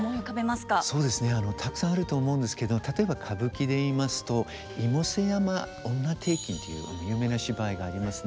そうですねたくさんあると思うんですけど例えば歌舞伎でいいますと「妹背山婦女庭訓」というあの有名な芝居がありますね。